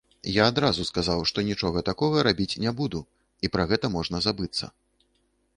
Я адразу сказаў, што нічога такога рабіць не буду і пра гэта можна забыцца.